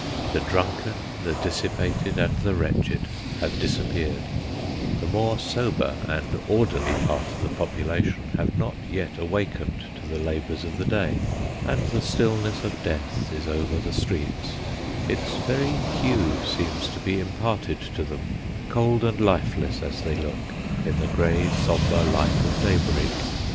The drunken, the dissipated, and the wretched have disappeared ; the more sober and orderly part of the population have not yet awakened to the labours of the day, and the stillness of death is over the streets ; its very hue seems to be imparted to them, cold and lifeless as they look in the grey, sombre light of daybreak.